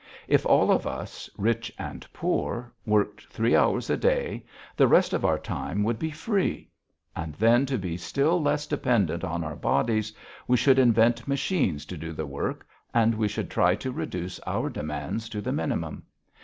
If all of us, rich and poor, worked three hours a day the rest of our time would be free. And then to be still less dependent on our bodies, we should invent machines to do the work and we should try to reduce our demands to the minimum.